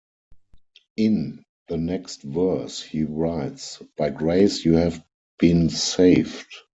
In the next verse he writes, by grace you have been saved.